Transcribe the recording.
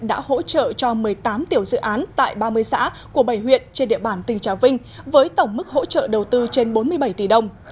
đã hỗ trợ cho một mươi tám tiểu dự án tại ba mươi xã của bảy huyện trên địa bàn tỉnh trà vinh với tổng mức hỗ trợ đầu tư trên bốn mươi bảy tỷ đồng